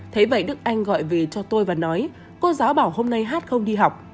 thế vậy đức anh gọi về cho tôi và nói cô giáo bảo hôm nay hát không đi học